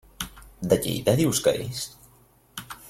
De Lleida dius que és?